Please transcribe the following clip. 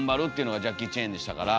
ジャッキー・チェンでしたから。